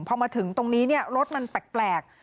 พอมาถึงตรงนี้รถมันแปลก